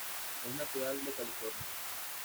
Es natural de California.